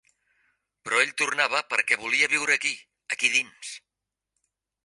Però ell tornava, perquè volia viure aquí, aquí dins.